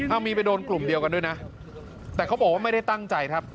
เอามีไปโดนกลุ่มเดียวกันด้วยนะแต่เขาบอกว่าไม่ได้ตั้งใจครับ